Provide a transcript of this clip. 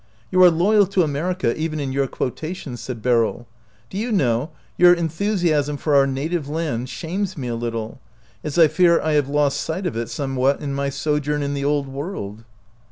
" You are loyal to America, even in your quotations," said Beryl. " Do you know, your enthusiasm for our native land shames me a little, as I fear I have lost sight of it somewhat in my sojourn in the Old World."